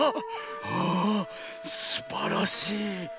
あぁすばらしい。